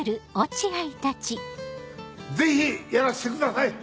ぜひやらせてください！